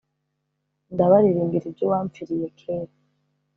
Ndabaririmbira ibyo uwampfiriye kera